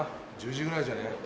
１０時ぐらいじゃね。